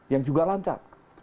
yang juga lancar